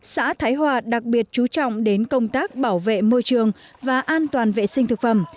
xã thái hòa đặc biệt chú trọng đến công tác bảo vệ môi trường và an toàn vệ sinh thực phẩm